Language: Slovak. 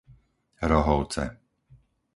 Rohovce